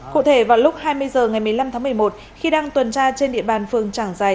cụ thể vào lúc hai mươi h ngày một mươi năm tháng một mươi một khi đang tuần tra trên địa bàn phường trảng giài